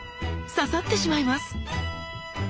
刺さってしまいます。